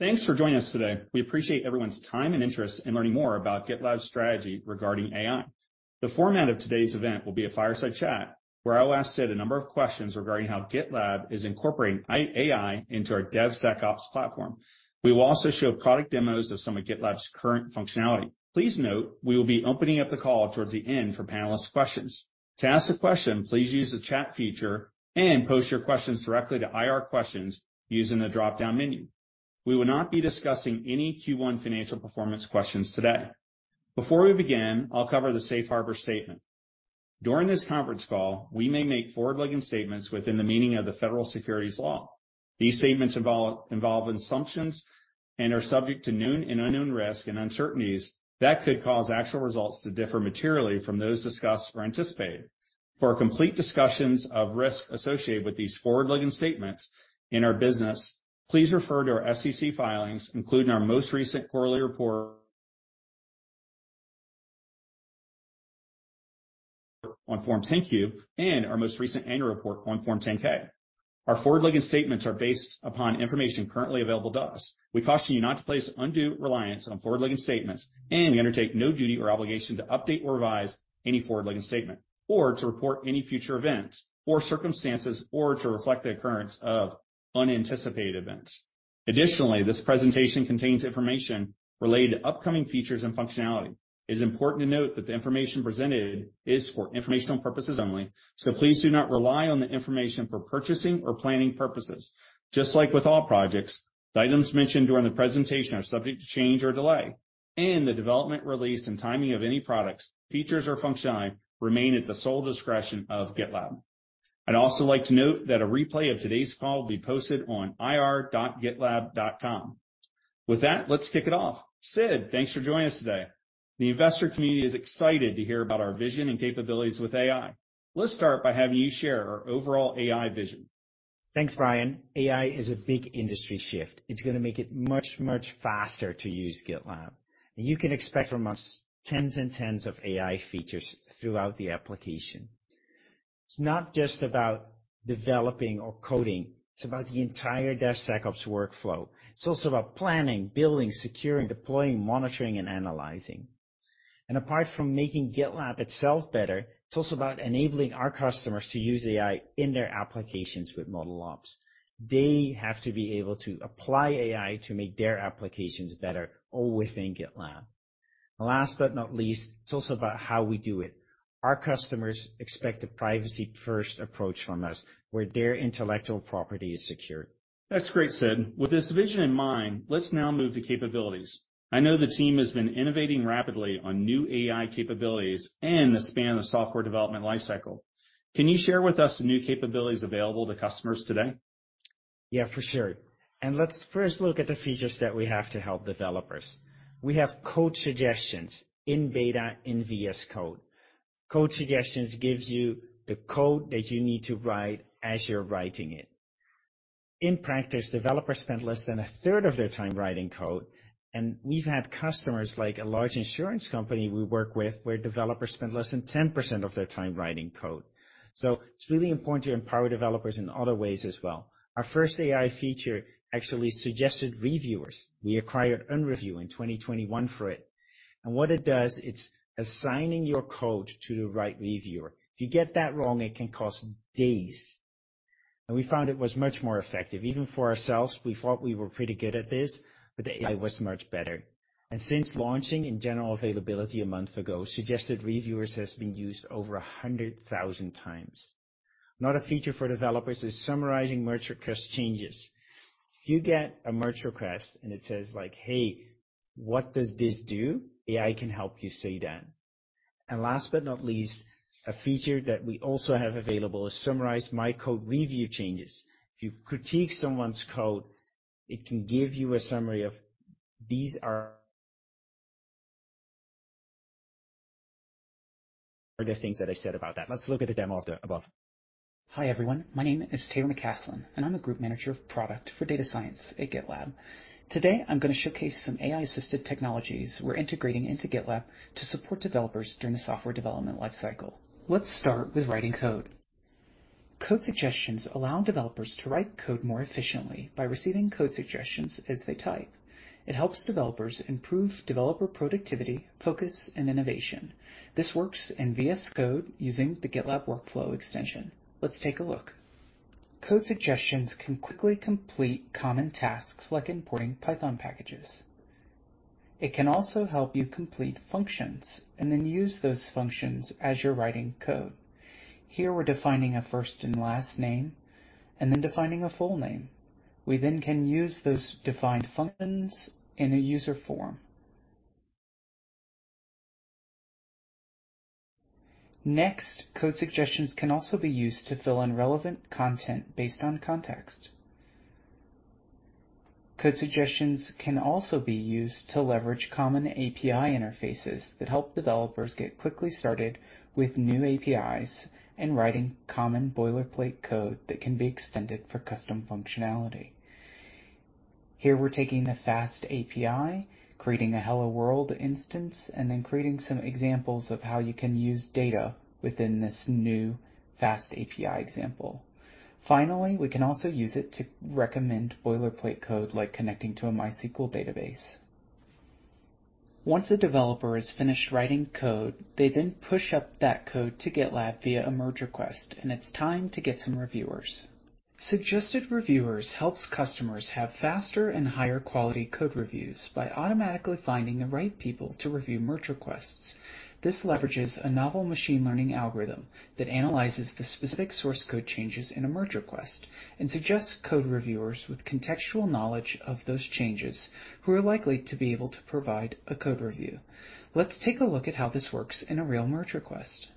Thanks for joining us today. We appreciate everyone's time and interest in learning more about GitLab's strategy regarding AI. The format of today's event will be a fireside chat where I will ask Sid a number of questions regarding how GitLab is incorporating AI into our DevSecOps platform. We will also show product demos of some of GitLab's current functionality. Please note we will be opening up the call towards the end for panelist questions. To ask a question, please use the chat feature and post your questions directly to IR questions using the dropdown menu. We will not be discussing any Q1 financial performance questions today. Before we begin, I'll cover the safe harbor statement. During this conference call, we may make forward-looking statements within the meaning of the federal securities law. These statements involve assumptions and are subject to known and unknown risks and uncertainties that could cause actual results to differ materially from those discussed or anticipated. For a complete discussions of risks associated with these forward-looking statements in our business, please refer to our SEC filings, including our most recent quarterly report on Form 10-Q and our most recent annual report on Form 10-K. Our forward-looking statements are based upon information currently available to us. We caution you not to place undue reliance on forward-looking statements, and we undertake no duty or obligation to update or revise any forward-looking statement or to report any future events or circumstances or to reflect the occurrence of unanticipated events. Additionally, this presentation contains information related to upcoming features and functionality. It is important to note that the information presented is for informational purposes only, so please do not rely on the information for purchasing or planning purposes. Just like with all projects, the items mentioned during the presentation are subject to change or delay, and the development, release, and timing of any products, features, or functionality remain at the sole discretion of GitLab. I'd also like to note that a replay of today's call will be posted on ir.gitlab.com. With that, let's kick it off. Sid, thanks for joining us today. The investor community is excited to hear about our vision and capabilities with AI. Let's start by having you share our overall AI vision. Thanks, Brian. AI is a big industry shift. It's gonna make it much, much faster to use GitLab. You can expect from us tens and tens of AI features throughout the application. It's not just about developing or coding. It's about the entire DevSecOps workflow. It's also about planning, building, securing, deploying, monitoring, and analyzing. Apart from making GitLab itself better, it's also about enabling our customers to use AI in their applications with ModelOps. They have to be able to apply AI to make their applications better all within GitLab. Last but not least, it's also about how we do it. Our customers expect a privacy first approach from us, where their intellectual property is secured. That's great, Sid. With this vision in mind, let's now move to capabilities. I know the team has been innovating rapidly on new AI capabilities and the span of software development lifecycle. Can you share with us the new capabilities available to customers today? Yeah, for sure. Let's first look at the features that we have to help developers. We have Code Suggestions in beta in VS Code. Code Suggestions gives you the code that you need to write as you're writing it. In practice, developers spend less than a third of their time writing code, and we've had customers like a large insurance company we work with, where developers spend less than 10% of their time writing code. It's really important to empower developers in other ways as well. Our first AI feature actually Suggested Reviewers. We acquired UnReview in 2021 for it. What it does, it's assigning your code to the right reviewer. If you get that wrong, it can cost days. We found it was much more effective. Even for ourselves, we thought we were pretty good at this, the AI was much better. Since launching in general availability a month ago, Suggested Reviewers has been used over 100,000 times. Another feature for developers is summarizing merge request changes. If you get a merge request, and it says like, "Hey, what does this do?" AI can help you say that. Last but not least, a feature that we also have available is Summarize My Code Review Changes. If you critique someone's code, it can give you a summary of these are the things that I said about that. Let's look at the demo of the above. Hi, everyone. My name is Taylor McCaslin, and I'm the Group Manager of Product for Data Science at GitLab. Today, I'm gonna showcase some AI-assisted technologies we're integrating into GitLab to support developers during the software development lifecycle. Let's start with writing code. Code Suggestions allow developers to write code more efficiently by receiving Code Suggestions as they type. It helps developers improve developer productivity, focus, and innovation. This works in VS Code using the GitLab Workflow extension. Let's take a look. Code Suggestions can quickly complete common tasks like importing Python packages. It can also help you complete functions and then use those functions as you're writing code. Here, we're defining a first and last name and then defining a full name. We can use those defined functions in a user form. Next, Code Suggestions can also be used to fill in relevant content based on context. Code Suggestions can also be used to leverage common API interfaces that help developers get quickly started with new APIs and writing common boilerplate code that can be extended for custom functionality. Here, we're taking the FastAPI, creating a "Hello, world" instance, and then creating some examples of how you can use data within this new FastAPI example. We can also use it to recommend boilerplate code, like connecting to a MySQL database. Once a developer is finished writing code, they then push up that code to GitLab via a merge request and it's time to get some reviewers. Suggested Reviewers helps customers have faster and higher quality code reviews by automatically finding the right people to review merge requests. This leverages a novel machine learning algorithm that analyzes the specific source code changes in a merge request and suggests code reviewers with contextual knowledge of those changes who are likely to be able to provide a code review. Let's take a look at how this works in a real merge request.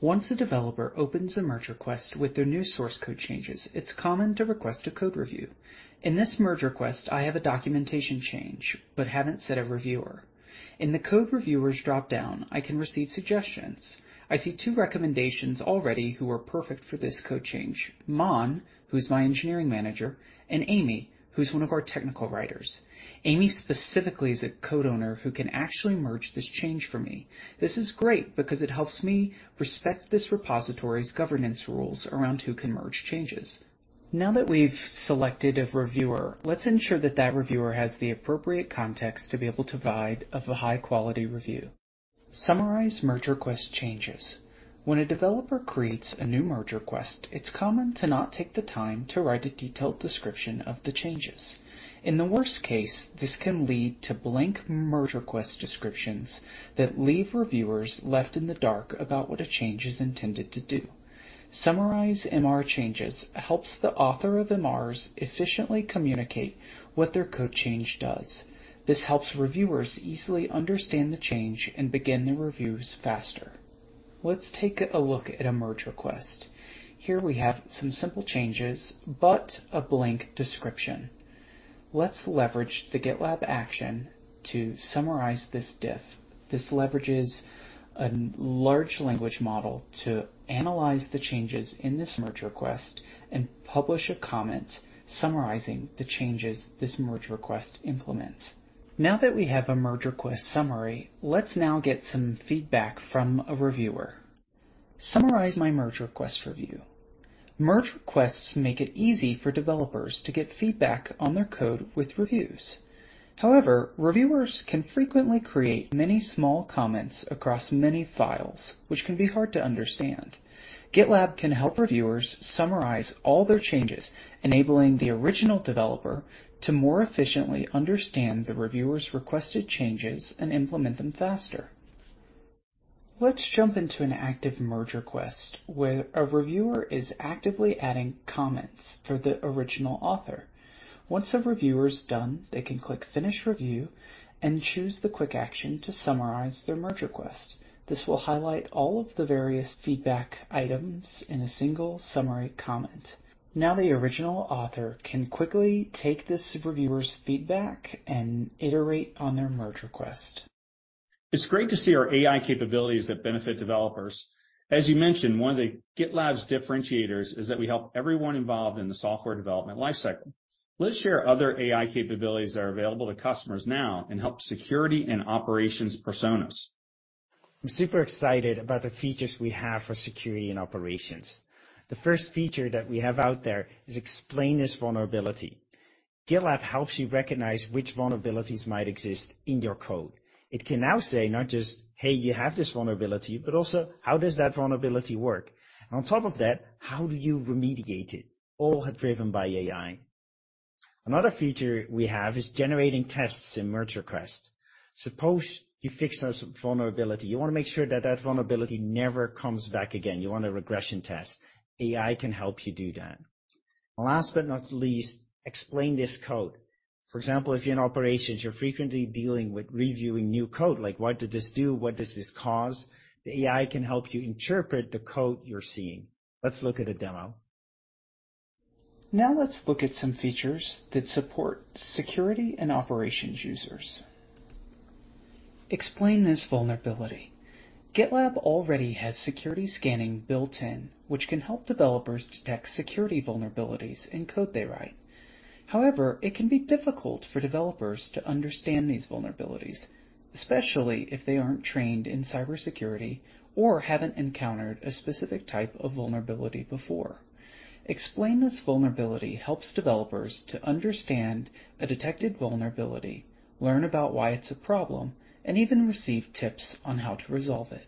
Once a developer opens a merge request with their new source code changes, it's common to request a code review. In this merge request, I have a documentation change, but haven't set a reviewer. In the code reviewers dropdown, I can receive suggestions. I see two recommendations already who are perfect for this code change, Mon, who's my engineering manager, and Amy, who's one of our technical writers. Amy specifically is a code owner who can actually merge this change for me. This is great because it helps me respect this repository's governance rules around who can merge changes. Now that we've selected a reviewer, let's ensure that that reviewer has the appropriate context to be able to provide of a high quality review. Summarize merge request changes. When a developer creates a new merge request, it's common to not take the time to write a detailed description of the changes. In the worst case, this can lead to blank merge request descriptions that leave reviewers left in the dark about what a change is intended to do. Summarize MR Changes helps the author of MRs efficiently communicate what their code change does. This helps reviewers easily understand the change and begin their reviews faster. Let's take a look at a merge request. Here we have some simple changes, but a blank description. Let's leverage the GitLab action to summarize this diff. This leverages a large language model to analyze the changes in this merge request and publish a comment summarizing the changes this merge request implements. Now that we have a merge request summary, let's now get some feedback from a reviewer. Summarize my merge request review. Merge requests make it easy for developers to get feedback on their code with reviews. However, reviewers can frequently create many small comments across many files, which can be hard to understand. GitLab can help reviewers summarize all their changes, enabling the original developer to more efficiently understand the reviewer's requested changes and implement them faster. Let's jump into an active merge request where a reviewer is actively adding comments for the original author. Once a reviewer's done, they can click Finish review and choose the quick action to summarize their merge request. This will highlight all of the various feedback items in a single summary comment. The original author can quickly take this reviewer's feedback and iterate on their merge request. It's great to see our AI capabilities that benefit developers. As you mentioned, one of GitLab's differentiators is that we help everyone involved in the software development life cycle. Let's share other AI capabilities that are available to customers now and help security and operations personas. I'm super excited about the features we have for security and operations. The first feature that we have out there is Explain this vulnerability. GitLab helps you recognize which vulnerabilities might exist in your code. It can now say not just, "Hey, you have this vulnerability," but also, "How does that vulnerability work?" On top of that, how do you remediate it? All are driven by AI. Another feature we have is generating tests in merge request. Suppose you fix those vulnerability, you wanna make sure that that vulnerability never comes back again. You want a regression test. AI can help you do that. Last but not least, Explain this code. For example, if you're in operations, you're frequently dealing with reviewing new code, like what did this do? What does this cause? The AI can help you interpret the code you're seeing. Let's look at a demo. Now let's look at some features that support security and operations users. Explain this vulnerability. GitLab already has security scanning built in, which can help developers detect security vulnerabilities in code they write. However, it can be difficult for developers to understand these vulnerabilities, especially if they aren't trained in cybersecurity or haven't encountered a specific type of vulnerability before. Explain this vulnerability helps developers to understand a detected vulnerability, learn about why it's a problem, and even receive tips on how to resolve it.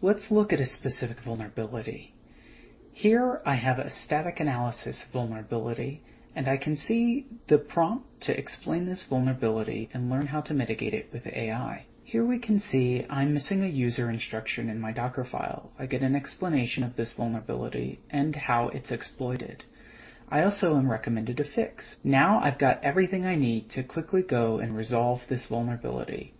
Let's look at a specific vulnerability. Here I have a static analysis vulnerability, and I can see the prompt to Explain this vulnerability and learn how to mitigate it with AI. Here we can see I'm missing a user instruction in my Docker file. I get an explanation of this vulnerability and how it's exploited. I also am recommended a fix. Now I've got everything I need to quickly go and resolve this vulnerability.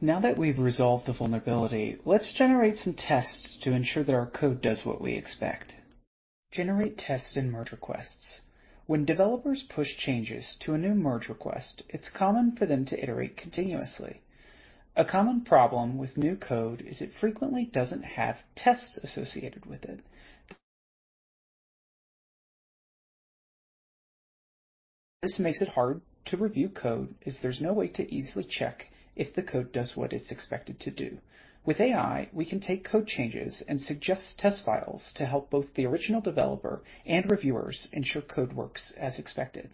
Now that we've resolved the vulnerability, let's Generate tests to ensure that our code does what we expect. Generate tests and merge requests. When developers push changes to a new merge request, it's common for them to iterate continuously. A common problem with new code is it frequently doesn't have tests associated with it. This makes it hard to review code as there's no way to easily check if the code does what it's expected to do. With AI, we can take code changes and suggest test files to help both the original developer and reviewers ensure code works as expected.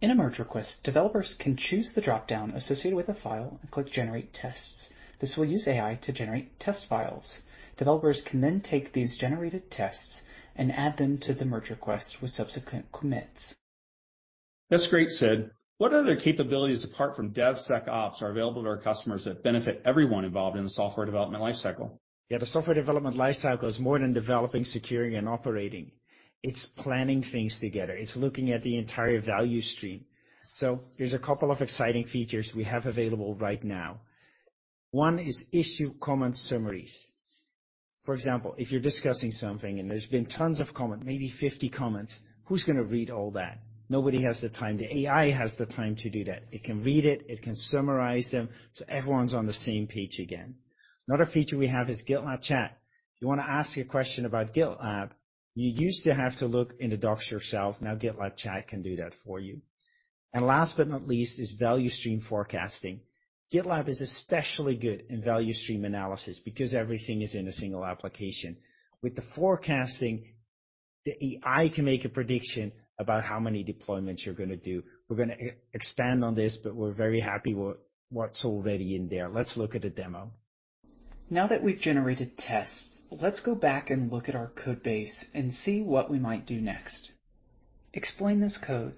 In a merge request, developers can choose the dropdown associated with a file and click Generate tests. This will use AI to generate test files. Developers can then take these generated tests and add them to the merge request with subsequent commits. That's great, Sid. What other capabilities apart from DevSecOps are available to our customers that benefit everyone involved in the software development life cycle? Yeah. The software development life cycle is more than developing, securing, and operating. It's planning things together. It's looking at the entire value stream. Here's a couple of exciting features we have available right now. One is Issue Comment Summaries. For example, if you're discussing something and there's been tons of comment, maybe 50 comments, who's gonna read all that? Nobody has the time. The AI has the time to do that. It can read it can summarize them so everyone's on the same page again. Another feature we have is GitLab Duo Chat. If you wanna ask a question about GitLab, you used to have to look in the docs yourself, now GitLab Duo Chat can do that for you. Last but not least is Value Stream Forecasting. GitLab is especially good in value stream analysis because everything is in a single application. With the forecasting, the AI can make a prediction about how many deployments you're gonna do. We're gonna expand on this, but we're very happy what's already in there. Let's look at a demo. Now that we've generated tests, let's go back and look at our code base and see what we might do next. Explain this code.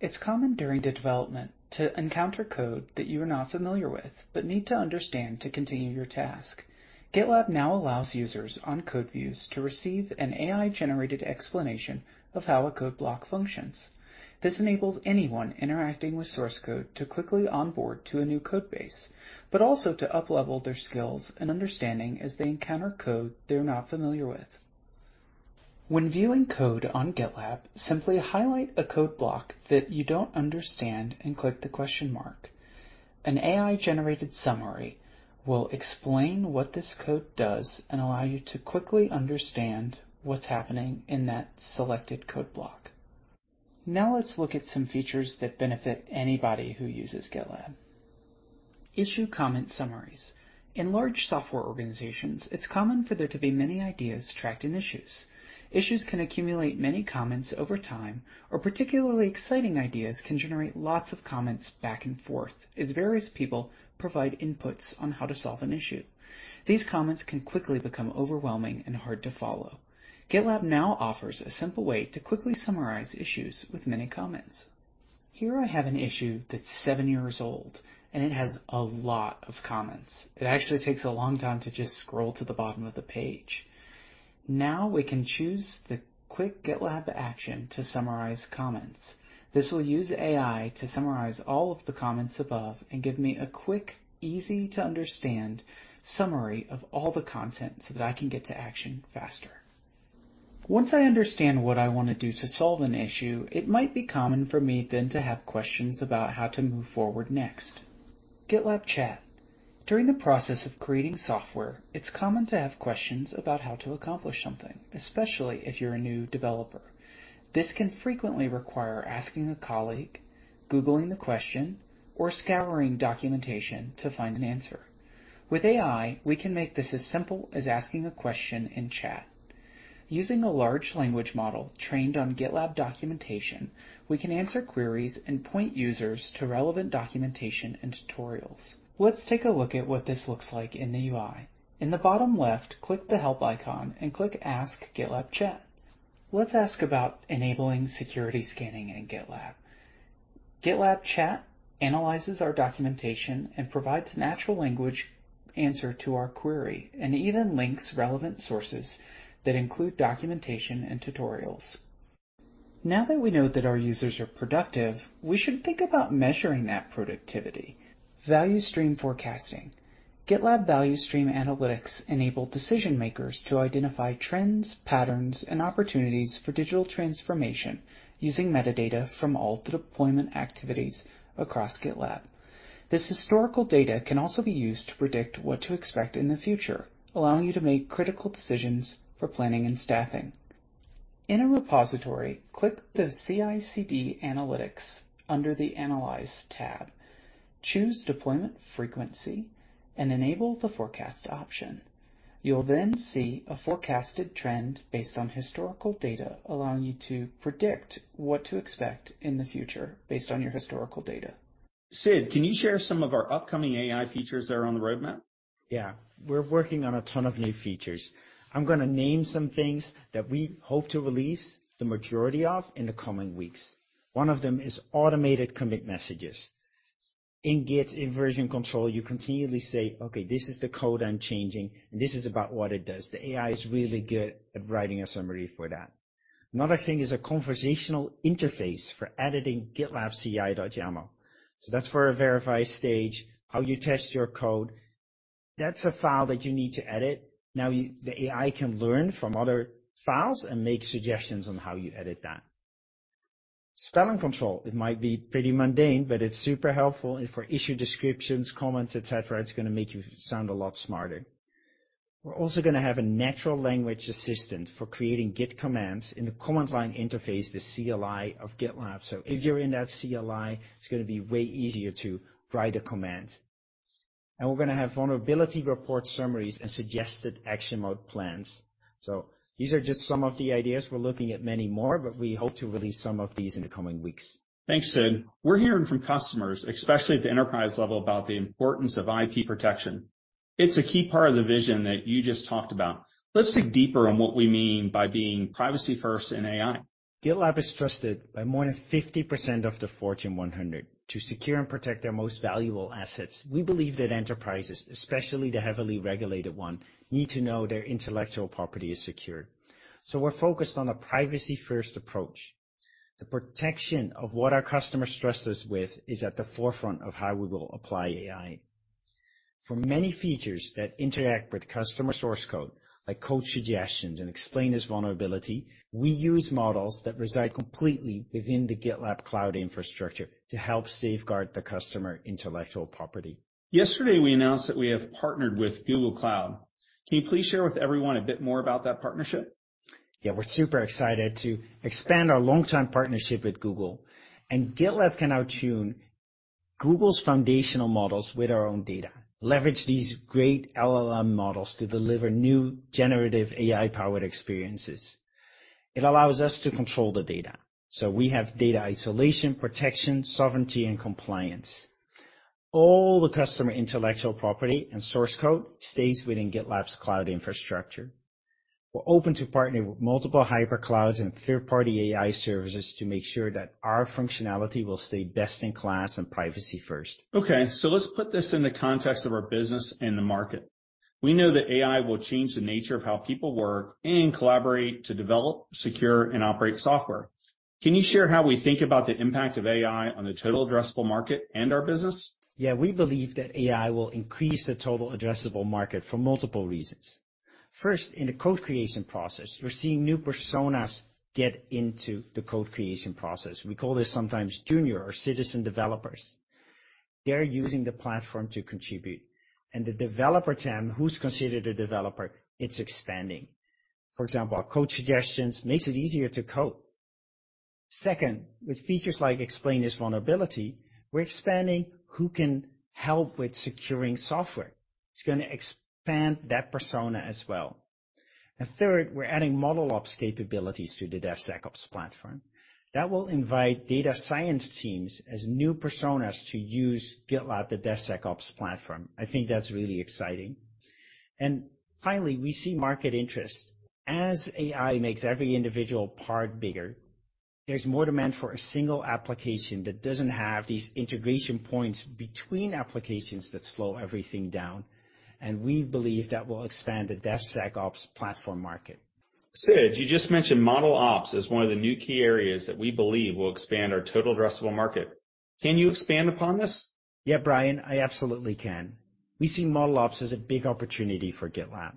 It's common during the development to encounter code that you are not familiar with but need to understand to continue your task. GitLab now allows users on code views to receive an AI-generated explanation of how a code block functions. This enables anyone interacting with source code to quickly onboard to a new code base, but also to uplevel their skills and understanding as they encounter code they're not familiar with. When viewing code on GitLab, simply highlight a code block that you don't understand and click the question mark. An AI-generated summary will explain what this code does and allow you to quickly understand what's happening in that selected code block. Let's look at some features that benefit anybody who uses GitLab. Issue Comment Summaries. In large software organizations, it's common for there to be many ideas tracked in issues. Issues can accumulate many comments over time, or particularly exciting ideas can generate lots of comments back and forth as various people provide inputs on how to solve an issue. These comments can quickly become overwhelming and hard to follow. GitLab now offers a simple way to quickly summarize issues with many comments. Here I have an issue that's seven years old, and it has a lot of comments. It actually takes a long time to just scroll to the bottom of the page. Now we can choose the quick GitLab action to summarize comments. This will use AI to summarize all of the comments above and give me a quick, easy to understand summary of all the content so that I can get to action faster. Once I understand what I wanna do to solve an issue, it might be common for me then to have questions about how to move forward next. GitLab Duo Chat. During the process of creating software, it's common to have questions about how to accomplish something, especially if you're a new developer. This can frequently require asking a colleague, Googling the question, or scouring documentation to find an answer. With AI, we can make this as simple as asking a question in chat. Using a large language model trained on GitLab documentation, we can answer queries and point users to relevant documentation and tutorials. Let's take a look at what this looks like in the UI. In the bottom left, click the help icon and click Ask GitLab Duo Chat. Let's ask about enabling security scanning in GitLab. GitLab Chat analyzes our documentation and provides natural language answer to our query, and even links relevant sources that include documentation and tutorials. Now that we know that our users are productive, we should think about measuring that productivity. Value stream forecasting. GitLab Value Stream Analytics enable decision-makers to identify trends, patterns, and opportunities for digital transformation using metadata from all the deployment activities across GitLab. This historical data can also be used to predict what to expect in the future, allowing you to make critical decisions for planning and staffing. In a repository, click the CI/CD analytics under the Analyze tab. Choose Deployment Frequency and enable the Forecast option. You'll see a forecasted trend based on historical data, allowing you to predict what to expect in the future based on your historical data. Sid, can you share some of our upcoming AI features that are on the roadmap? Yeah. We're working on a ton of new features. I'm gonna name some things that we hope to release the majority of in the coming weeks. One of them is automated commit messages. In Git, in version control, you continually say, "Okay, this is the code I'm changing, and this is about what it does." The AI is really good at writing a summary for that. Another thing is a conversational interface for editing .gitlab-ci.yml. That's for a verify stage, how you test your code. That's a file that you need to edit. The AI can learn from other files and make suggestions on how you edit that. Spelling control. It might be pretty mundane, but it's super helpful and for issue descriptions, comments, et cetera, it's gonna make you sound a lot smarter. We're also gonna have a natural language assistant for creating Git commands in the command line interface, the CLI of GitLab. If you're in that CLI, it's gonna be way easier to write a command. We're gonna have vulnerability report summaries and suggested action mode plans. These are just some of the ideas. We're looking at many more, but we hope to release some of these in the coming weeks. Thanks, Sid. We're hearing from customers, especially at the enterprise level, about the importance of IP protection. It's a key part of the vision that you just talked about. Let's dig deeper on what we mean by being privacy first in AI. GitLab is trusted by more than 50% of the Fortune 100 to secure and protect their most valuable assets. We believe that enterprises, especially the heavily regulated one, need to know their intellectual property is secured. We're focused on a privacy-first approach. The protection of what our customers trust us with is at the forefront of how we will apply AI. For many features that interact with customer source code, like Code Suggestions and Explain this vulnerability, we use models that reside completely within the GitLab cloud infrastructure to help safeguard the customer intellectual property. Yesterday, we announced that we have partnered with Google Cloud. Can you please share with everyone a bit more about that partnership? We're super excited to expand our long-time partnership with Google. GitLab can now tune Google's foundational models with our own data, leverage these great LLM models to deliver new generative AI-powered experiences. It allows us to control the data. We have data isolation, protection, sovereignty, and compliance. All the customer intellectual property and source code stays within GitLab's cloud infrastructure. We're open to partnering with multiple hyper clouds and third-party AI services to make sure that our functionality will stay best in class and privacy first. Let's put this in the context of our business and the market. We know that AI will change the nature of how people work and collaborate to develop, secure, and operate software. Can you share how we think about the impact of AI on the total addressable market and our business? Yeah. We believe that AI will increase the total addressable market for multiple reasons. First, in the code creation process, we're seeing new personas get into the code creation process. We call this sometimes junior or citizen developers. They're using the platform to contribute. The developer tab, who's considered a developer, it's expanding. For example, our Code Suggestions makes it easier to code. Second, with features like Explain this vulnerability, we're expanding who can help with securing software. It's gonna expand that persona as well. Third, we're adding ModelOps capabilities to the DevSecOps platform. That will invite data science teams as new personas to use GitLab, the DevSecOps platform. I think that's really exciting. Finally, we see market interest. As AI makes every individual part bigger, there's more demand for a single application that doesn't have these integration points between applications that slow everything down, and we believe that will expand the DevSecOps platform market. Sid, you just mentioned ModelOps as one of the new key areas that we believe will expand our total addressable market. Can you expand upon this? Brian, I absolutely can. We see ModelOps as a big opportunity for GitLab.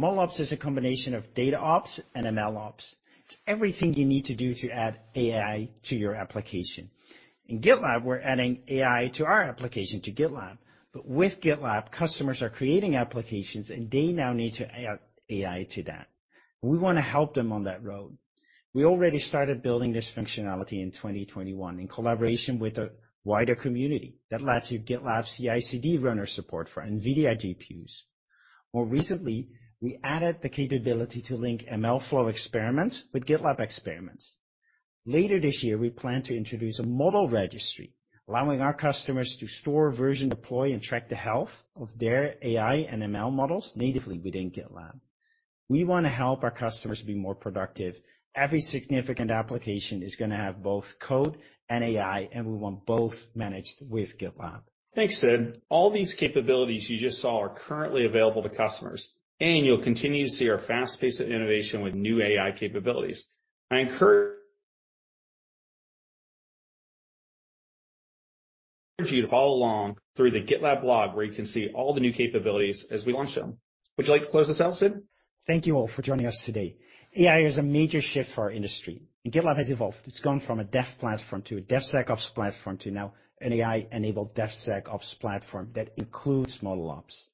ModelOps is a combination of DataOps and MLOps. It's everything you need to do to add AI to your application. In GitLab, we're adding AI to our application to GitLab. But with GitLab, customers are creating applications, and they now need to add AI to that. We want to help them on that road. We already started building this functionality in 2021 in collaboration with the wider community. That led to GitLab CI/CD runner support for NVIDIA GPUs. More recently, we added the capability to link MLflow experiments with GitLab experiments. Later this year, we plan to introduce a model registry, allowing our customers to store, version, deploy, and track the health of their AI and ML models natively within GitLab. We want to help our customers be more productive. Every significant application is going to have both code and AI, and we want both managed with GitLab. Thanks, Sid. All these capabilities you just saw are currently available to customers, and you'll continue to see our fast pace of innovation with new AI capabilities. I encourage you to follow along through the GitLab blog, where you can see all the new capabilities as we launch them. Would you like to close this out, Sid? Thank you all for joining us today. AI is a major shift for our industry. GitLab has evolved. It's gone from a dev platform to a DevSecOps platform to now an AI-enabled DevSecOps platform that includes ModelOps.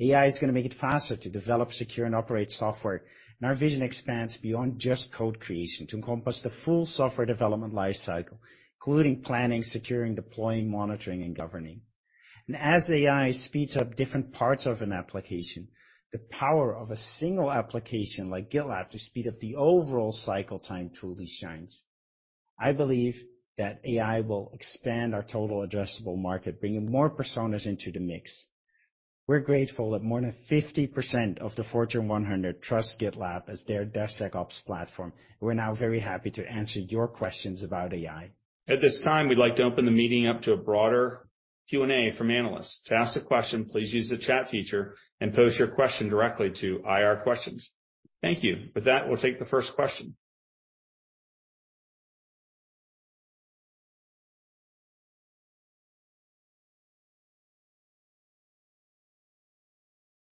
AI is gonna make it faster to develop, secure, and operate software. Our vision expands beyond just code creation to encompass the full software development life cycle, including planning, securing, deploying, monitoring, and governing. As AI speeds up different parts of an application, the power of a single application like GitLab to speed up the overall cycle time truly shines. I believe that AI will expand our total addressable market, bringing more personas into the mix. We're grateful that more than 50% of the Fortune 100 trust GitLab as their DevSecOps platform. We're now very happy to answer your questions about AI. At this time, we'd like to open the meeting up to a broader Q&A from analysts. To ask a question, please use the chat feature and pose your question directly to IR questions. Thank you. With that, we'll take the first question.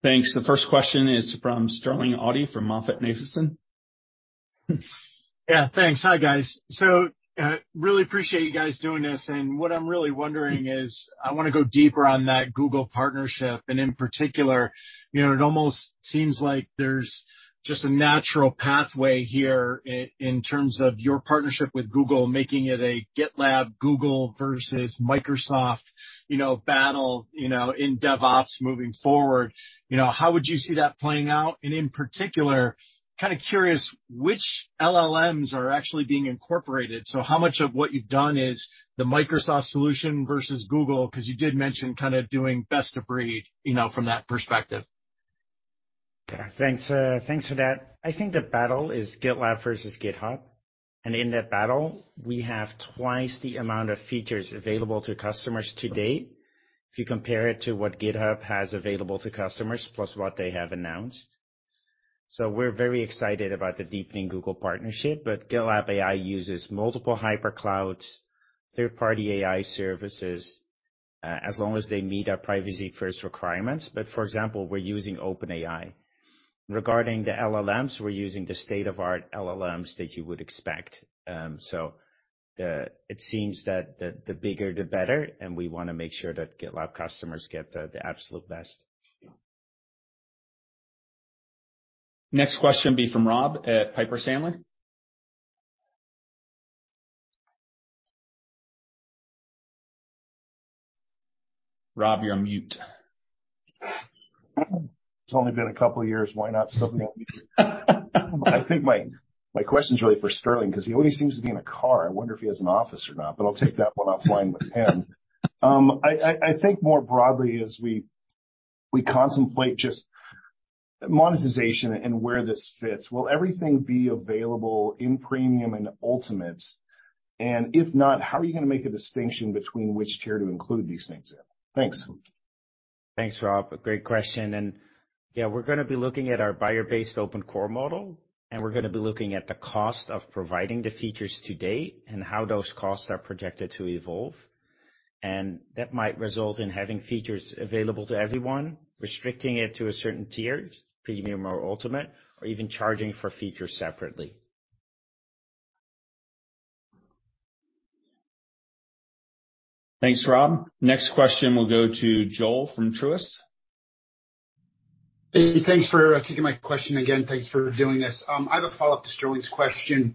Thanks. The first question is from Sterling Auty from MoffettNathanson. Thanks. Hi, guys. Really appreciate you guys doing this. What I'm really wondering is, I wanna go deeper on that Google partnership. In particular, you know, it almost seems like there's just a natural pathway here in terms of your partnership with Google, making it a GitLab Google versus Microsoft, you know, battle, you know, in DevOps moving forward. You know, how would you see that playing out? In particular, kinda curious which LLMs are actually being incorporated. How much of what you've done is the Microsoft solution versus Google? Because you did mention kinda doing best of breed, you know, from that perspective. Yeah. Thanks, thanks for that. I think the battle is GitLab versus GitHub. In that battle, we have twice the amount of features available to customers to date, if you compare it to what GitHub has available to customers, plus what they have announced. We're very excited about the deepening Google partnership, but GitLab AI uses multiple hyperclouds, third-party AI services, as long as they meet our privacy first requirements. For example, we're using OpenAI. Regarding the LLMs, we're using the state of art LLMs that you would expect. It seems that the bigger the better, and we wanna make sure that GitLab customers get the absolute best. Next question will be from Rob at Piper Sandler. Rob, you're on mute. It's only been a couple of years. Why not still be on mute? I think my question's really for Sterling because he always seems to be in a car. I wonder if he has an office or not, but I'll take that one offline with him. I think more broadly as we contemplate just monetization and where this fits, will everything be available in premium and ultimate? And if not, how are you gonna make a distinction between which tier to include these things in? Thanks. Thanks, Rob. A great question. Yeah, we're gonna be looking at our buyer-based open core model, and we're gonna be looking at the cost of providing the features to date and how those costs are projected to evolve. That might result in having features available to everyone, restricting it to a certain tier, Premium or Ultimate, or even charging for features separately. Thanks, Rob. Next question will go to Joel from Truist. Hey, thanks for taking my question again. Thanks for doing this. I have a follow-up to Sterling's question.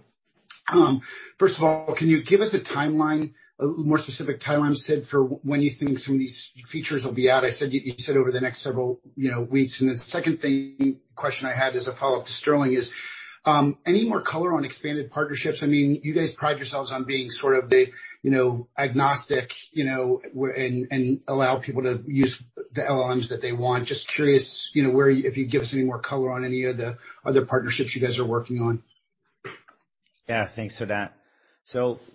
First of all, can you give us a timeline, a more specific timeline, Sid, for when you think some of these features will be out? You said over the next several, you know, weeks. The second thing, question I had as a follow-up to Sterling is, any more color on expanded partnerships? I mean, you guys pride yourselves on being sort of the, you know, agnostic, you know, and allow people to use the LLMs that they want. Just curious, you know, where you... If you'd give us any more color on any of the other partnerships you guys are working on? Thanks for that.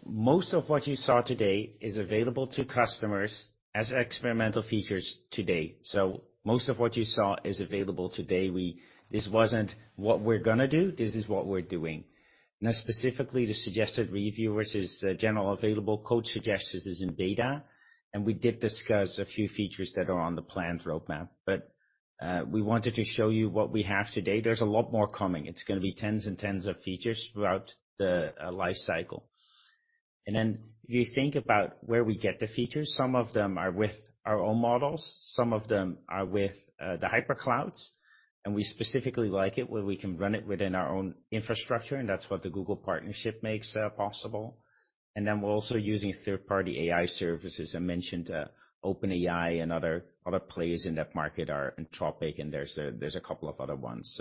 Most of what you saw today is available to customers as experimental features to date. Most of what you saw is available today. This wasn't what we're gonna do, this is what we're doing. Now, specifically, the suggested review, which is generally available. Code Suggestions is in beta, and we did discuss a few features that are on the planned roadmap. We wanted to show you what we have today. There's a lot more coming. It's gonna be tens and tens of features throughout the lifecycle. If you think about where we get the features, some of them are with our own models, some of them are with the hyperclouds, and we specifically like it where we can run it within our own infrastructure, and that's what the Google partnership makes possible. We're also using third-party AI services. I mentioned OpenAI and other players in that market, Anthropic, and there's a couple of other ones.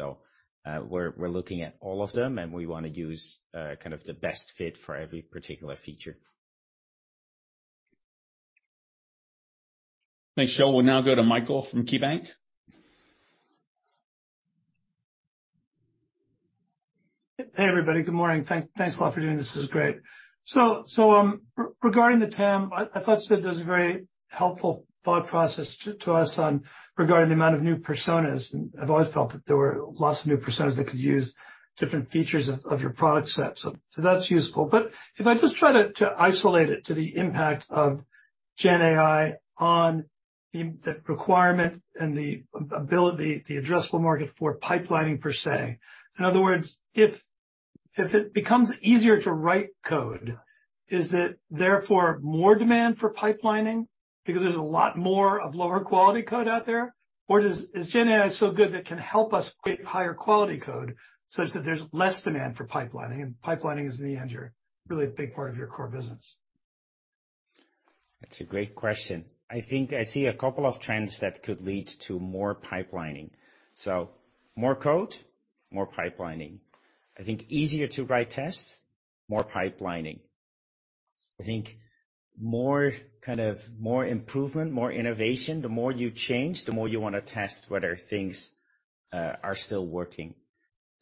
We're looking at all of them, and we wanna use kind of the best fit for every particular feature. Thanks, Joel. We'll now go to Michael from KeyBanc. Hey, everybody. Good morning. Thanks a lot for doing this. This is great. Regarding the TAM, I thought, Sid, that was a very helpful thought process to us on regarding the amount of new personas, and I've always felt that there were lots of new personas that could use different features of your product set. That's useful. If I just try to isolate it to the impact of GenAI on the requirement and the ability, the addressable market for pipelining per se. In other words, if it becomes easier to write code, is it therefore more demand for pipelining because there's a lot more of lower quality code out there? Or does... Is GenAI so good that it can help us create higher quality code such that there's less demand for pipelining, and pipelining is in the end really a big part of your core business? That's a great question. I think I see a couple of trends that could lead to more pipelining. More code, more pipelining. I think easier to write tests, more pipelining. I think more, kind of more improvement, more innovation. The more you change, the more you wanna test whether things are still working.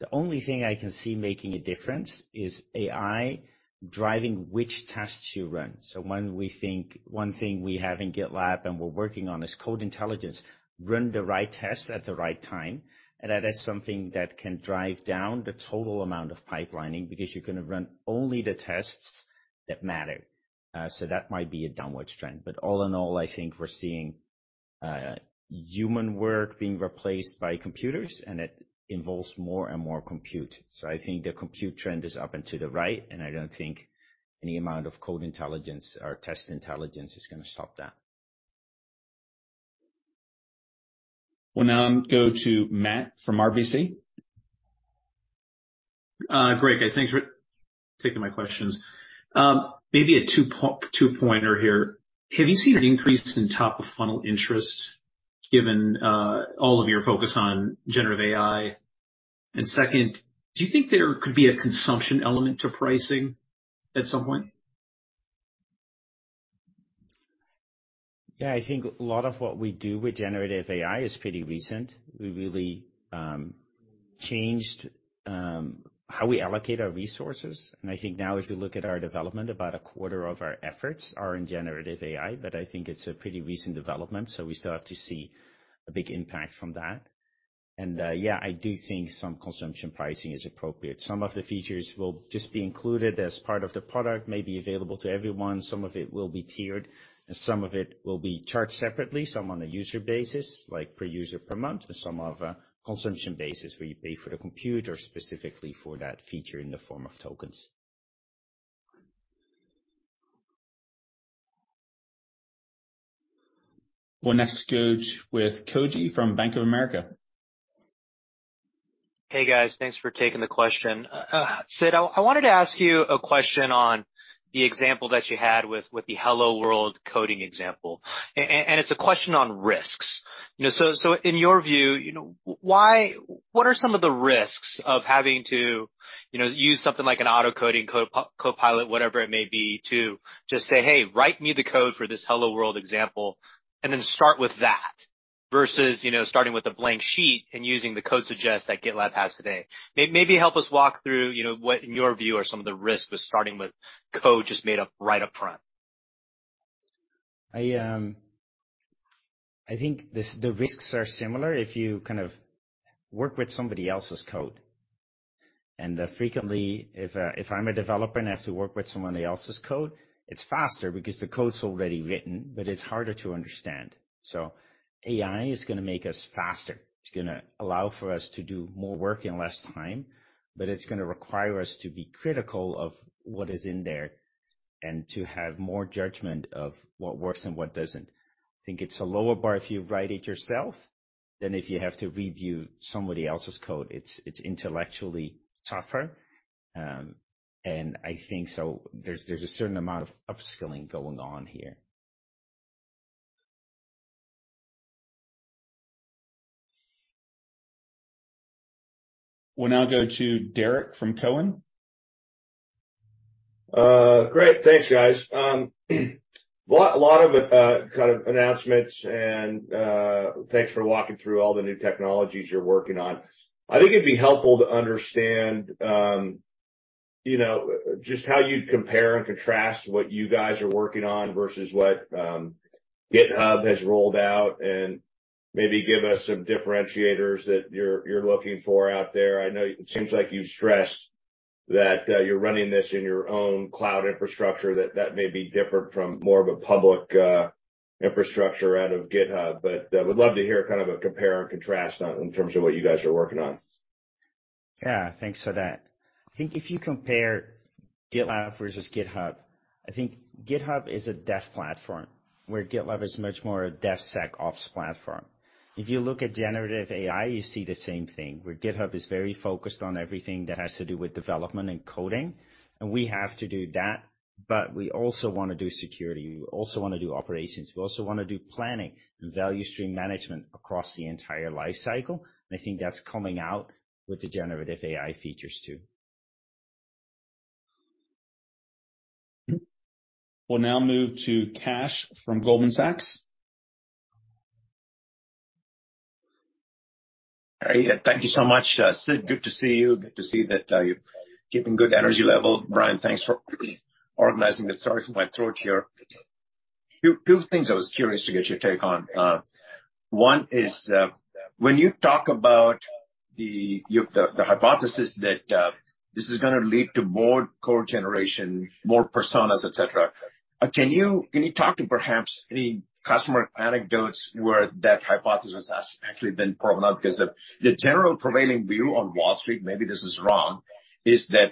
The only thing I can see making a difference is AI driving which tests you run. One thing we have in GitLab and we're working on is code intelligence. Run the right test at the right time. That is something that can drive down the total amount of pipelining because you're gonna run only the tests that matter. That might be a downwards trend. All in all, I think we're seeing human work being replaced by computers, and it involves more and more compute. I think the compute trend is up and to the right, and I don't think any amount of code intelligence or test intelligence is gonna stop that. We'll now go to Matt from RBC. Great, guys. Thanks for taking my questions. Maybe a two pointer here. Have you seen an increase in top of funnel interest given all of your focus on Generative AI? Second, do you think there could be a consumption element to pricing at some point? Yeah. I think a lot of what we do with generative AI is pretty recent. We really changed how we allocate our resources. I think now if you look at our development, about a quarter of our efforts are in generative AI. I think it's a pretty recent development. We still have to see a big impact from that. Yeah, I do think some consumption pricing is appropriate. Some of the features will just be included as part of the product, may be available to everyone. Some of it will be tiered, and some of it will be charged separately, some on a user basis, like per user per month, and some of a consumption basis, where you pay for the compute or specifically for that feature in the form of tokens. We'll next go with Koji from Bank of America. Hey, guys. Thanks for taking the question. Sid, I wanted to ask you a question on the example that you had with the Hello World coding example. It's a question on risks. You know, in your view, you know, why what are some of the risks of having to, you know, use something like an auto-coding Copilot, whatever it may be, to just say, "Hey, write me the code for this Hello World example," and then start with that versus, you know, starting with a blank sheet and using the Code Suggestions that GitLab has today. Maybe help us walk through, you know, what in your view are some of the risks with starting with code just made up right up front. I think the risks are similar if you kind of work with somebody else's code. Frequently, if I'm a developer and I have to work with somebody else's code, it's faster because the code's already written, but it's harder to understand. AI is gonna make us faster. It's gonna allow for us to do more work in less time, but it's gonna require us to be critical of what is in there and to have more judgment of what works and what doesn't. I think it's a lower bar if you write it yourself than if you have to review somebody else's code. It's intellectually tougher. I think there's a certain amount of upskilling going on here. We'll now go to Derrick from Cowen. Great. Thanks, guys. Lot of kind of announcements and thanks for walking through all the new technologies you're working on. I think it'd be helpful to understand, you know, just how you'd compare and contrast what you guys are working on versus what GitHub has rolled out, and maybe give us some differentiators that you're looking for out there. I know it seems like you've stressed that you're running this in your own cloud infrastructure, that that may be different from more of a public infrastructure out of GitHub. I would love to hear kind of a compare and contrast on in terms of what you guys are working on. Yeah. Thanks for that. I think if you compare GitLab versus GitHub, I think GitHub is a dev platform where GitLab is much more a DevSecOps platform. If you look at generative AI, you see the same thing, where GitHub is very focused on everything that has to do with development and coding, and we have to do that, but we also wanna do security. We also wanna do operations. We also wanna do planning and value stream management across the entire life cycle. I think that's coming out with the generative AI features too. We'll now move to Kash from Goldman Sachs. All right. Thank you so much, Sid. Good to see you. Good to see that you're keeping good energy level. Brian, thanks for organizing it. Sorry for my throat here. Two things I was curious to get your take on. One is, when you talk about the, you have the hypothesis that this is gonna lead to more code generation, more personas, et cetera. Can you talk to perhaps any customer anecdotes where that hypothesis has actually been proven out? Because the general prevailing view on Wall Street, maybe this is wrong, is that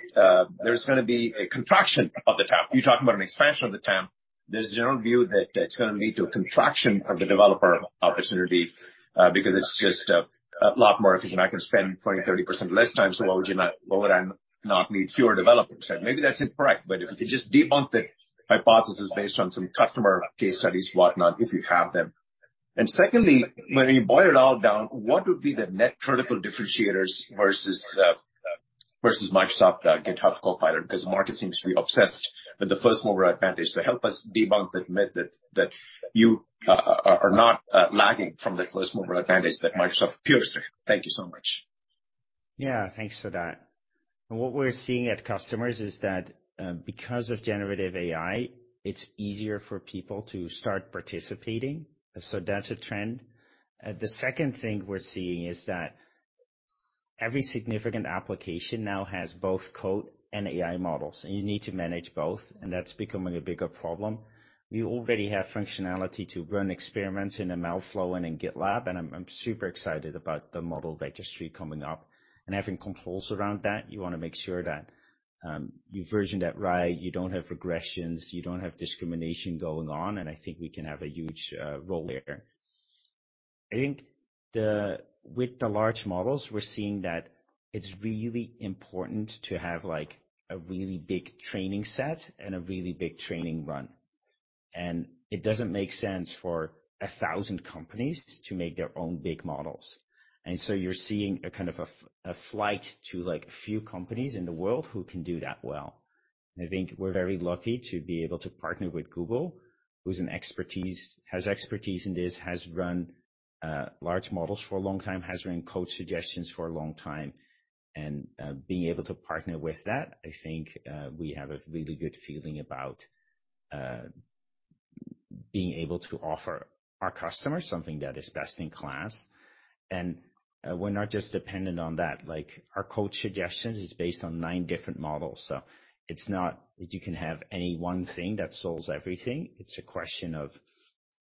there's gonna be a contraction of the TAM. You're talking about an expansion of the TAM. There's a general view that it's gonna lead to a contraction of the developer opportunity, because it's just a lot more efficient. I can spend 20%, 30% less time, why would I not need fewer developers? Maybe that's incorrect, if you could just debunk the hypothesis based on some customer case studies, whatnot, if you have them. Secondly, when you boil it all down, what would be the net critical differentiators versus versus Microsoft GitHub Copilot? The market seems to be obsessed with the first mover advantage. Help us debunk the myth that you are not lagging from the first mover advantage that Microsoft appears to have. Thank you so much. Yeah. Thanks for that. What we're seeing at customers is that, because of generative AI, it's easier for people to start participating. That's a trend. The second thing we're seeing is that every significant application now has both code and AI models, and you need to manage both, and that's becoming a bigger problem. We already have functionality to run experiments in MLflow and in GitLab, and I'm super excited about the model registry coming up and having controls around that. You wanna make sure that you version that right, you don't have regressions, you don't have discrimination going on, and I think we can have a huge role there. I think with the large models, we're seeing that it's really important to have, like, a really big training set and a really big training run. It doesn't make sense for 1,000 companies to make their own big models. You're seeing a kind of a flight to, like, a few companies in the world who can do that well. I think we're very lucky to be able to partner with Google, who has expertise in this, has run large models for a long time, has written Code Suggestions for a long time. Being able to partner with that, I think we have a really good feeling about being able to offer our customers something that is best in class. We're not just dependent on that. Like, our Code Suggestions is based on nine different models. It's not that you can have any one thing that solves everything. It's a question of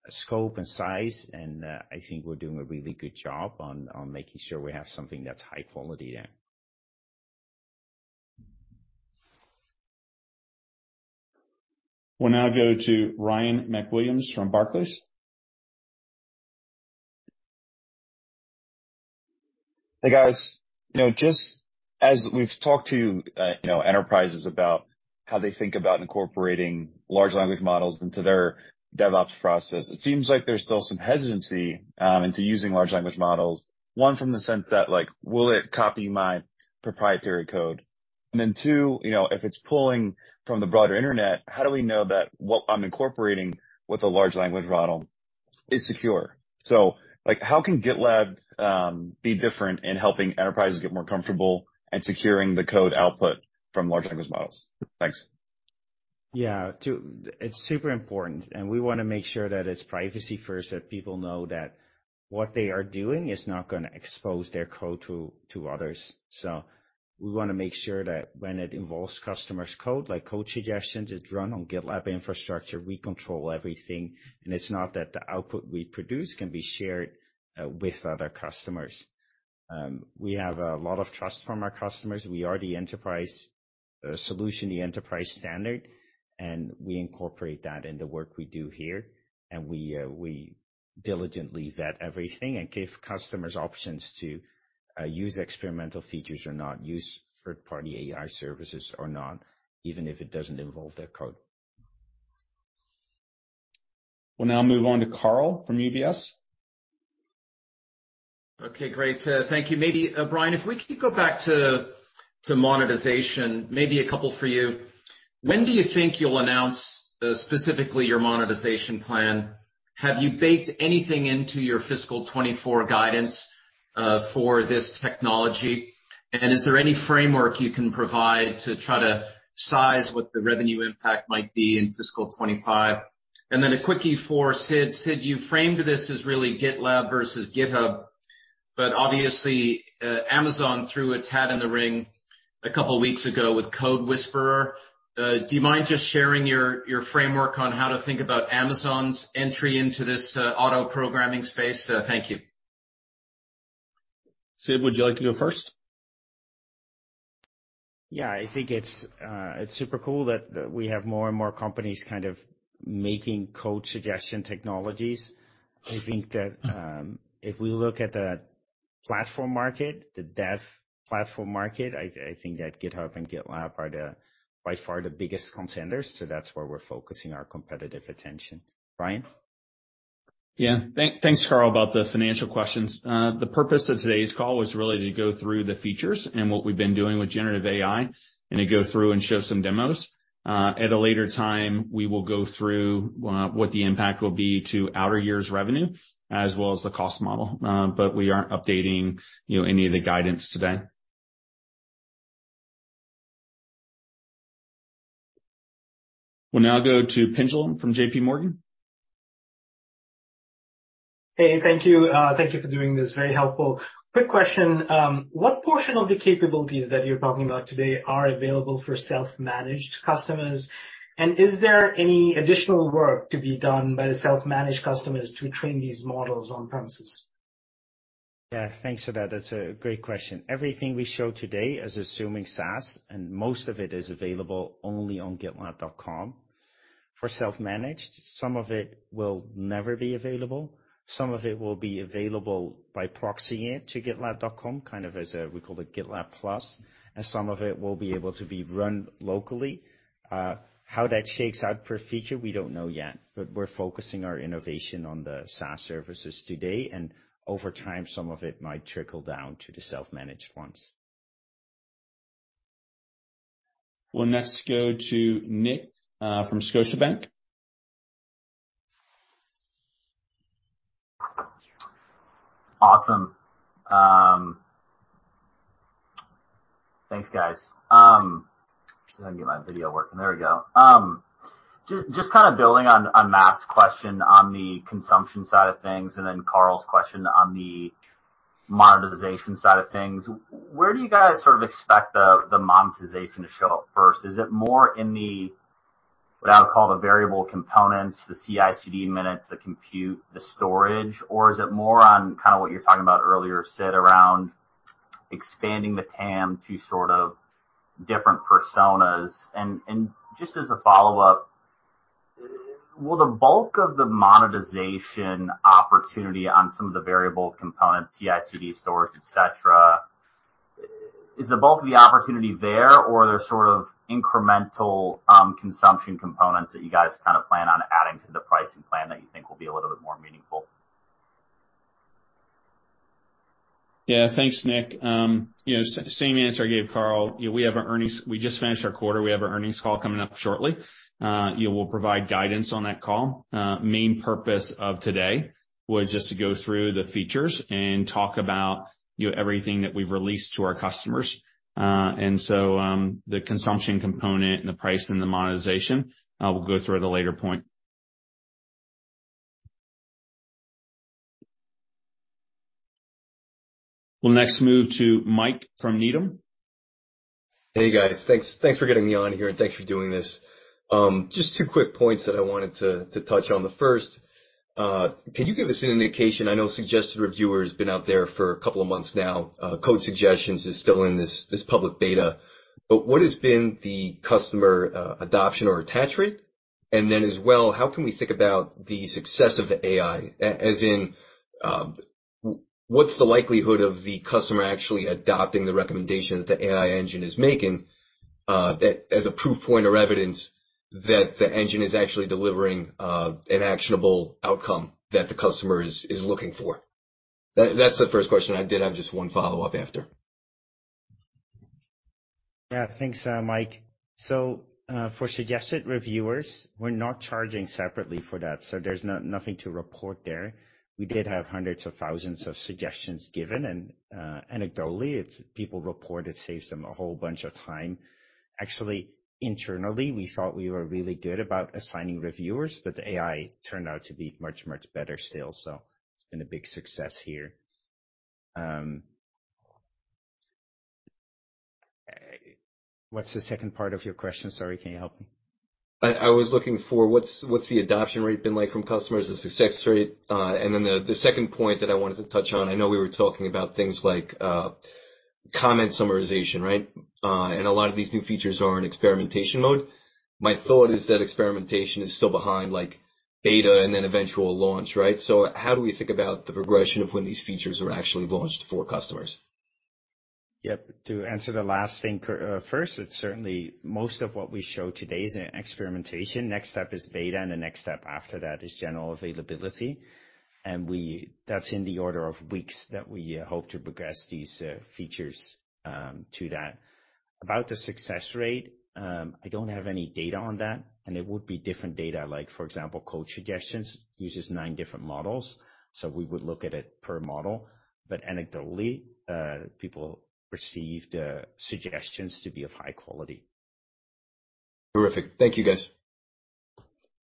scope and size, and, I think we're doing a really good job on making sure we have something that's high quality there. We'll now go to Ryan MacWilliams from Barclays. Hey, guys. You know, just as we've talked to, you know, enterprises about how they think about incorporating large language models into their DevOps process, it seems like there's still some hesitancy, into using large language models. One, from the sense that, like, will it copy my proprietary code? Then two, you know, if it's pulling from the broader internet, how do we know that what I'm incorporating with a large language model is secure? Like, how can GitLab be different in helping enterprises get more comfortable at securing the code output from large language models? Thanks. It's super important, we wanna make sure that it's privacy first, that people know that what they are doing is not gonna expose their code to others. We wanna make sure that when it involves customers' code, like Code Suggestions is run on GitLab infrastructure, we control everything, and it's not that the output we produce can be shared with other customers. We have a lot of trust from our customers. We are the enterprise solution, the enterprise standard, we incorporate that in the work we do here. We diligently vet everything and give customers options to use experimental features or not, use third-party AI services or not, even if it doesn't involve their code. We'll now move on to Karl from UBS. Okay, great. Thank you. Maybe Brian, if we could go back to monetization, maybe a couple for you. When do you think you'll announce specifically your monetization plan? Have you baked anything into your fiscal 2024 guidance for this technology? Is there any framework you can provide to try to size what the revenue impact might be in fiscal 2025? Then a quickie for Sid. Sid, you framed this as really GitLab versus GitHub. Obviously, Amazon threw its hat in the ring a couple weeks ago with CodeWhisperer. Do you mind just sharing your framework on how to think about Amazon's entry into this auto-programming space? Thank you. Sid, would you like to go first? Yeah. I think it's super cool that we have more and more companies kind of making code suggestion technologies. I think that, if we look at the platform market, the dev platform market, I think that GitHub and GitLab are the by far the biggest contenders. That's where we're focusing our competitive attention. Brian? Thanks, Karl, about the financial questions. The purpose of today's call was really to go through the features and what we've been doing with generative AI and to go through and show some demos. At a later time, we will go through what the impact will be to outer year's revenue as well as the cost model. We aren't updating, you know, any of the guidance today. We'll now go to Pinjalim from JPMorgan. Hey, thank you. Thank you for doing this. Very helpful. Quick question. What portion of the capabilities that you're talking about today are available for self-managed customers? Is there any additional work to be done by the self-managed customers to train these models on premises? Thanks for that. That's a great question. Everything we show today is assuming SaaS, and most of it is available only on gitlab.com. For self-managed, some of it will never be available. Some of it will be available by proxying it to gitlab.com, kind of as a, we call it GitLab Plus, and some of it will be able to be run locally. How that shakes out per feature, we don't know yet. We're focusing our innovation on the SaaS services today, and over time, some of it might trickle down to the self-managed ones. We'll next go to Nick from Scotiabank. Awesome. Thanks, guys. See if I can get my video working. There we go. Just kind of building on Matt's question on the consumption side of things and then Karl's question on the monetization side of things, where do you guys sort of expect the monetization to show up first? Is it more in the, what I would call the variable components, the CI/CD minutes, the compute, the storage? Or is it more on kinda what you were talking about earlier, Sid, around expanding the TAM to sort of different personas? Just as a follow-up, will the bulk of the monetization opportunity on some of the variable components, CI/CD storage, et cetera, is the bulk of the opportunity there or are there sort of incremental consumption components that you guys kinda plan on adding to the pricing plan that you think will be a little bit more meaningful? Yeah. Thanks, Nick. You know, same answer I gave Karl. You know, we just finished our quarter, we have our earnings call coming up shortly. You know, we'll provide guidance on that call. Main purpose of today was just to go through the features and talk about, you know, everything that we've released to our customers. The consumption component and the price and the monetization, we'll go through at a later point. We'll next move to Mike from Needham. Hey, guys. Thanks, thanks for getting me on here, and thanks for doing this. Just two quick points that I wanted to touch on. The first, can you give us an indication, I know Suggested Reviewers has been out there for a couple of months now, Code Suggestions is still in this public beta, but what has been the customer adoption or attach rate? As well, how can we think about the success of the AI, as in, what's the likelihood of the customer actually adopting the recommendation that the AI engine is making, that as a proof point or evidence that the engine is actually delivering an actionable outcome that the customer is looking for? That's the first question. I did have just one follow-up after. Yeah. Thanks, Mike. For Suggested Reviewers, we're not charging separately for that, so there's nothing to report there. We did have hundreds of thousands of suggestions given, and anecdotally, it's people report it saves them a whole bunch of time. Actually, internally, we thought we were really good about assigning reviewers, but the AI turned out to be much better still. It's been a big success here. What's the second part of your question? Sorry, can you help me? I was looking for what's the adoption rate been like from customers, the success rate? The second point that I wanted to touch on, I know we were talking about things like comment summarization, right? A lot of these new features are in experimentation mode. My thought is that experimentation is still behind, like, beta and then eventual launch, right? How do we think about the progression of when these features are actually launched for customers? Yep. To answer the last thing first, it's certainly most of what we show today is in experimentation. Next step is beta, and the next step after that is general availability. That's in the order of weeks that we hope to progress these features to that. About the success rate, I don't have any data on that. It would be different data, like, for example, Code Suggestions uses nine different models. We would look at it per model. Anecdotally, people perceive the suggestions to be of high quality. Terrific. Thank you, guys.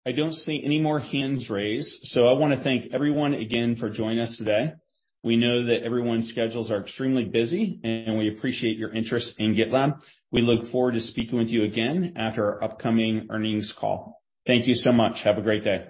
I don't see any more hands raised. I wanna thank everyone again for joining us today. We know that everyone's schedules are extremely busy. We appreciate your interest in GitLab. We look forward to speaking with you again after our upcoming earnings call. Thank you so much. Have a great day.